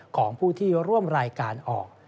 ของผู้ที่ร่วมรายการออก